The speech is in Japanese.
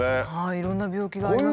いろんな病気がありますね。